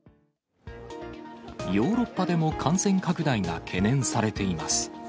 ヨーロッパでも感染拡大が懸念されています。